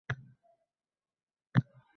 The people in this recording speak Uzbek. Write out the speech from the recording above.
U hamma narsaga burnini tiqavermaydi